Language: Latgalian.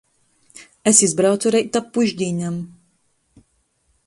Es izbraucu reit ap pušdīnem.